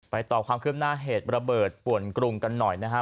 ไปต่อความเคลื่อนหน้าเหตุระเบิดปวดกรุงกันหน่อยนะฮะ